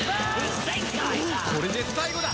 これで最後だ！